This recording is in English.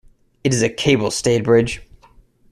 It is a cable-stayed bridge.